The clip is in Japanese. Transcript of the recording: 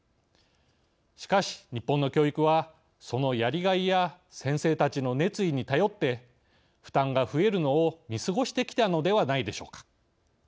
しかし、日本の教育はそのやりがいや先生たちの熱意に頼って負担が増えるのを見過ごしてきたのではないでしょうか。